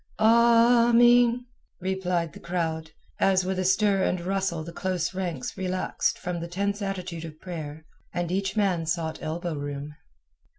"Ameen," replied the crowd, as with a stir and rustle the close ranks relaxed from the tense attitude of prayer, and each man sought elbow room.